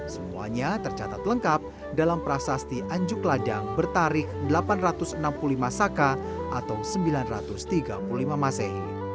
semuanya tercatat lengkap dalam prasasti anjuk ladang bertarik delapan ratus enam puluh lima saka atau sembilan ratus tiga puluh lima masehi